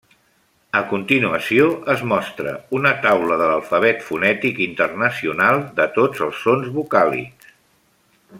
A continuació es mostra una taula de l'Alfabet fonètic internacional de tots els sons vocàlics.